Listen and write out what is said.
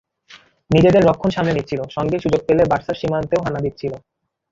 নিজেদের রক্ষণ সামলে নিচ্ছিল, সঙ্গে সুযোগ পেলে বার্সার সীমানাতেও হানা দিচ্ছিল।